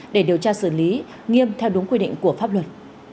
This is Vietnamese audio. để điều tra xử lý nghiêm theo đúng quy định của pháp luật